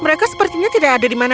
mereka sepertinya tidak ada di mana